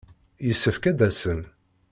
Yessefk ad d-asen.